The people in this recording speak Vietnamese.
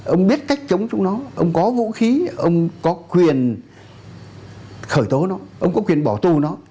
ông biết cách chống chúng nó ông có vũ khí ông có quyền khởi tố nó ông có quyền bỏ tù nó